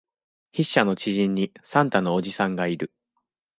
筆者の知人に、サンタのおじさんがいる。